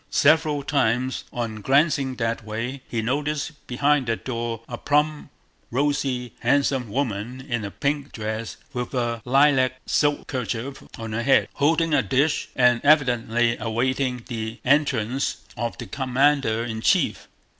Several times on glancing that way he noticed behind that door a plump, rosy, handsome woman in a pink dress with a lilac silk kerchief on her head, holding a dish and evidently awaiting the entrance of the commander in chief.